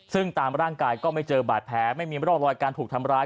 ซึ่งตามร่างกายก็ไม่เจอบาดแผลไม่มีร่องรอยการถูกทำร้าย